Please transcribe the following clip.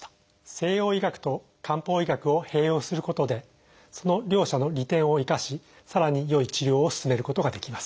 西洋医学と漢方医学を併用することでその両者の利点を生かしさらに良い治療を進めることができます。